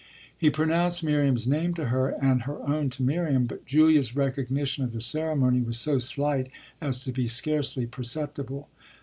He pronounced Miriam's name to her and her own to Miriam, but Julia's recognition of the ceremony was so slight as to be scarcely perceptible.